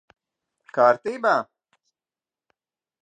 Kārtībā?